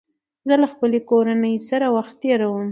زه له خپلې کورنۍ سره وخت تېروم